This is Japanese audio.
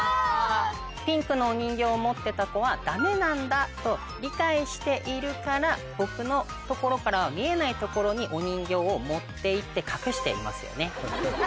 ピンクのお人形を持ってた子はダメなんだと理解しているから僕の所からは見えない所にお人形を持って行って隠していますよね。